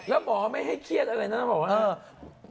แล้วหมอไม่ให้เครียดอะไรนะบอกว่า